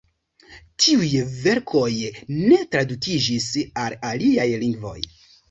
Tiuj verkoj ne tradukiĝis al aliaj lingvoj.